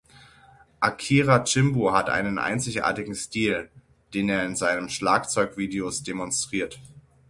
Akira Jimbo hat einen einzigartigen Stil, den er in seinen Schlagzeug-Videos demonstriert.